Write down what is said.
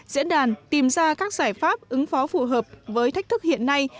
diễn đàn tìm ra các giải pháp ứng phó phù hợp với thách thức hiện nay